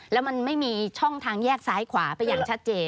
แล้วมันไม่มีช่องทางแยกซ้ายขวาไปอย่างชัดเจน